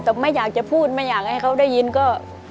แต่ไม่อยากจะพูดไม่อยากให้เขาได้ยินก็